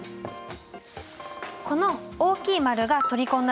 この大きいマルが取り込んだ